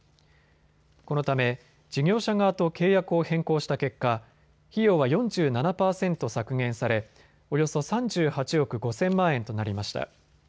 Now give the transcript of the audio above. このため事業者側と契約を変更した結果、費用は４７％削減され、およそ３８億５０００万円となりました。